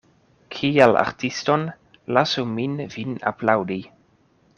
Kiel artiston lasu min vin aplaŭdi.